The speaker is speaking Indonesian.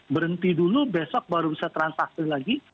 berhenti dulu besok baru bisa transaksi lagi